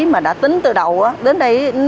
mà đã tính từ đầu đến đây